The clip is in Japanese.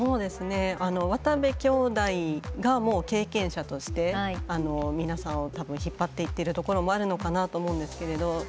渡部兄弟が経験者として皆さんをたぶん引っ張っていってるところもあるのかなと思うんですけれども。